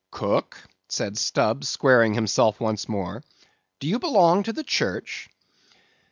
"Cook," said Stubb, squaring himself once more; "do you belong to the church?"